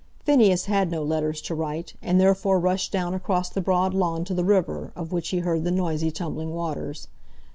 Phineas had no letters to write, and therefore rushed down across the broad lawn to the river, of which he heard the noisy tumbling waters.